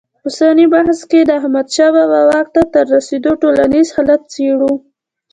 اوسني بحث کې د احمدشاه بابا واک ته تر رسېدو ټولنیز حالت څېړو.